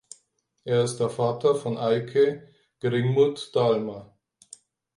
Er ist der Vater von Eike Gringmuth-Dallmer.